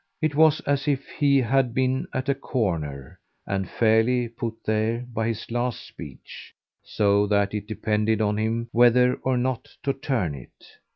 It was as if he had been at a corner and fairly put there by his last speech; so that it depended on him whether or no to turn it.